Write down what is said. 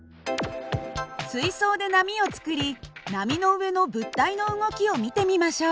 水槽で波を作り波の上の物体の動きを見てみましょう。